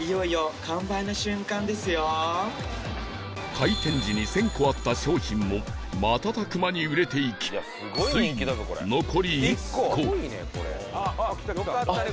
開店時に１０００個あった商品も瞬く間に売れていきついに残り１個よかったね